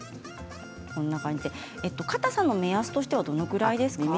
かたさの目安としてはどのくらいですか？